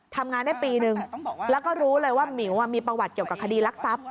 ทำงานได้ปีนึงแล้วก็รู้เลยว่าหมิวมีประวัติเกี่ยวกับคดีรักทรัพย์